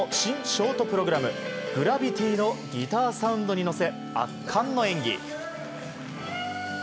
ショートプログラム「Ｇｒａｖｉｔｙ」のギターサウンドに乗せ圧巻の演技。